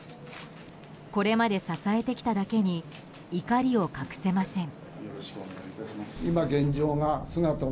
これまで支えてきただけに怒りを隠せません。